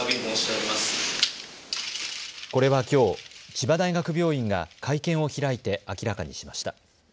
これはきょう千葉大学病院が会見を開いて明らかにしました。